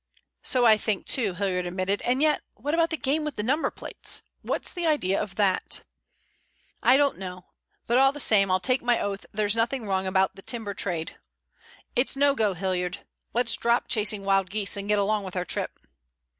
"So I think too," Hilliard admitted. "And yet, what about the game with the number plates? What's the idea of that?" "I don't know. But all the same I'll take my oath there's nothing wrong about the timber trade. It's no go, Hilliard. Let's drop chasing wild geese and get along with our trip."